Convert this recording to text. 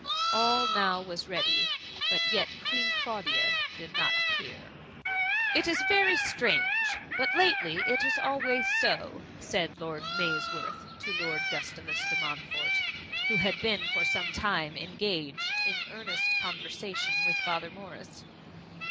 All now was ready, but yet Queen Claudia did not appear. '^ It is very strange, but lately it is always so," said Lord Maysworth to Lord Gustavus de Montfort, who had been for some time engaged in earnest conversation with Father Morris.